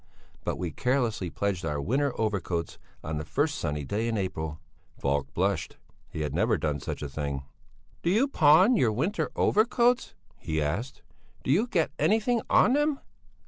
But we carelessly pledged our winter overcoats on the first sunny day in April." Falk blushed. He had never done such a thing. "Do you pawn your winter overcoats?" he asked. "Do you get anything on them?"